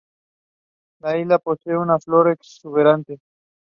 La isla posee una flora exuberante.